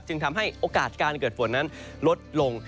ทำให้โอกาสการเกิดฝนนั้นลดลง